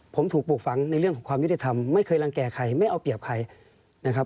ผมถูกปลูกฝังในเรื่องของความยุติธรรมไม่เคยรังแก่ใครไม่เอาเปรียบใครนะครับ